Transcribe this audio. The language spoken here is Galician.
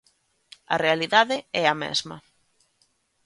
A realidade é a mesma.